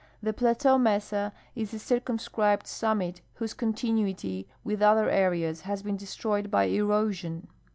The plateau mesa is a circumscribed summit whose continuity with other areas has been destroyed by erosion.